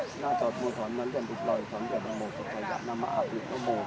หน้าจอดมือสวนมันเลื่อนปลูกลอยสวนเลือดละโมกก็จะอย่าน้ำมาอาธิตละโมก